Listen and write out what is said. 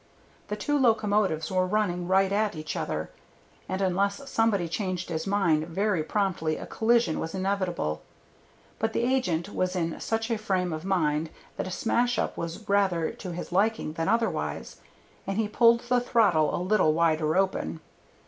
The two locomotives were running right at each other, and unless somebody changed his mind very promptly a collision was inevitable; but the agent was in such a frame of mind that a smash up was rather to his liking than otherwise, and he pulled the throttle a little wider open.